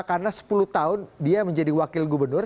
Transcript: karena sepuluh tahun dia menjadi wakil gubernur